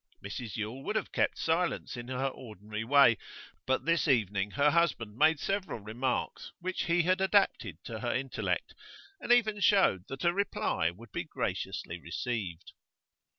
Mrs Yule would have kept silence, in her ordinary way, but this evening her husband made several remarks which he had adapted to her intellect, and even showed that a reply would be graciously received.